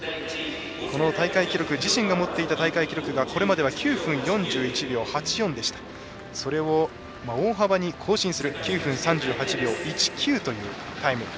この大会記録自身が持っていた大会記録がこれまでは９分４１秒８４でした。それを大幅に更新する９分３８秒１９というタイム。